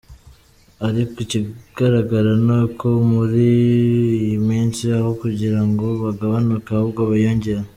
Ariko ikigaragara ni uko muri iyi minsi aho kugira ngo bagabanuke ahubwo biyongera.